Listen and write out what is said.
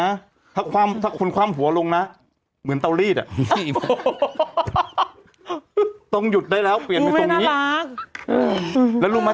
ไอไอไอมุมสามเหลี่ยมน้องคำนี้ได้แล้ว